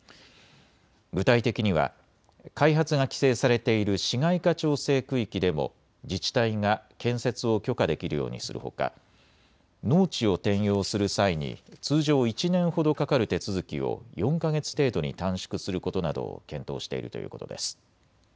具体的には開発が規制されている市街化調整区域でも自治体が建設を許可できるようにするほか農地を転用する際に通常１年ほどかかる手続きを４か月程度に短縮することなどを検討しているということです。